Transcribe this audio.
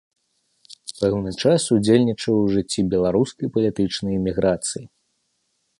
Пэўны час удзельнічаў у жыцці беларускай палітычнай эміграцыі.